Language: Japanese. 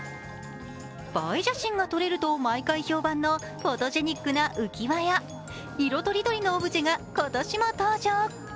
映え写真が撮れると毎回評判のフォトジェニックな浮き輪や色とりどりのオブジェが今年も登場。